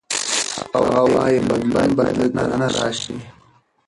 هغه وايي بدلون باید له دننه راشي.